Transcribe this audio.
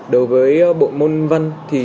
đối với bộ môn văn